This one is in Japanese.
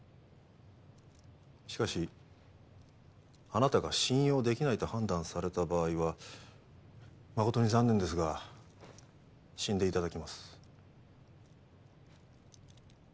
しかしあなたが信用できないと判断された場合は誠に残念ですが死んで頂きます。